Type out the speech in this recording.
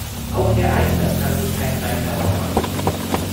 Auch Herr Aigner kann sich keinen Reim darauf machen.